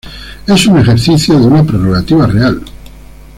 Es un ejercicio de una Prerrogativa Real.